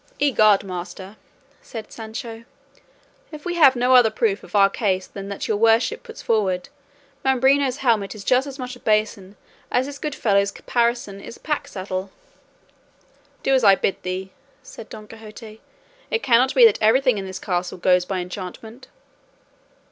"Egad, master," said Sancho, "if we have no other proof of our case than what your worship puts forward, Mambrino's helmet is just as much a basin as this good fellow's caparison is a pack saddle." "Do as I bid thee," said Don Quixote; "it cannot be that everything in this castle goes by enchantment."